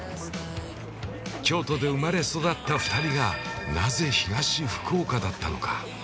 京都で生まれ育った２人がなぜ東福岡だったのか。